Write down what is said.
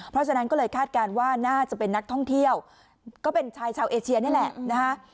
เพราะฉะนั้นก็เลยคาดการณ์ว่าน่าจะเป็นนักท่องเที่ยวก็เป็นชายชาวเอเชียนี่แหละนะฮะ